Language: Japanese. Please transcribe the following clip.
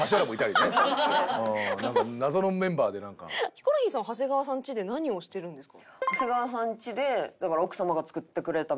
ヒコロヒーさん長谷川さんちで何をしてるんですか？